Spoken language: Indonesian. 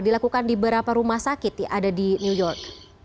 dilakukan di berapa rumah sakit ada di new york